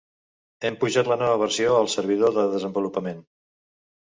Hem pujat la nova versió al servidor de desenvolupament.